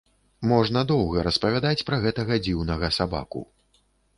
Можна доўга распавядаць пра гэтага дзіўнага сабаку.